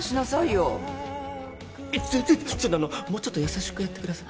ちょっとあのもうちょっと優しくやってください。